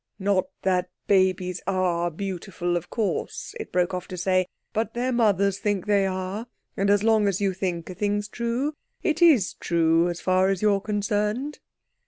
(Not that babies are beautiful, of course," it broke off to say, "but their mothers think they are—and as long as you think a thing's true it is true as far as you're concerned.)"